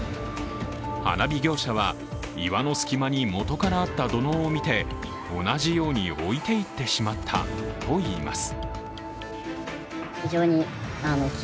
花火業者は、岩の隙間に元からあった土のうを見て同じように置いていってしまったといいます。